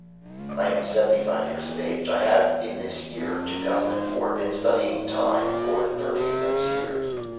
"I am seventy five years of age. I have, in this year 2004, been studying 'time' for thirty of those years.